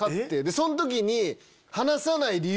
その時に。